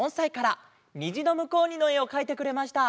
「にじのむこうに」のえをかいてくれました。